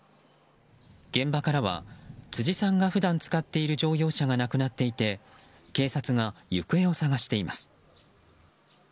現場からは、辻さんが普段使っている乗用車がなくなっていて警察が行方を捜しています。